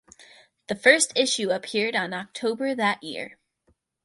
The first issue appeared on October that year.